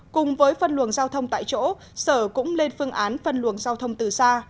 cùng với phân luồng giao thông tại chỗ sở cũng lên phương án phân luồng giao thông từ xa